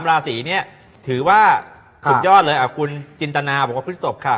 ราศีนี้ถือว่าสุดยอดเลยคุณจินตนาบอกว่าพฤศพค่ะ